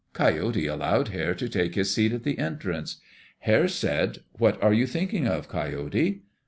Coyote allowed Hare to take his seat at the entrance. Hare said, What are you thinking of, Coyote?